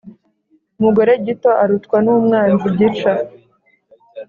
Umugore gito arutwa n’umwanzi gica.